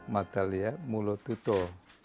mata lihat mulut tutuh